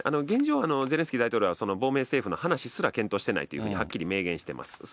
現状、ゼレンスキー大統領は、その亡命政府の話すら、検討してないというふうにはっきり明言しています。